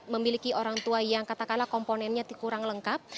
memiliki orang tua yang katakanlah komponennya kurang lengkap